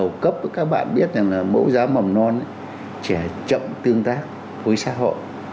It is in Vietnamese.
những cái trẻ mà đầu cấp các bạn biết là mẫu giáo mỏng non trẻ chậm tương tác với xã hội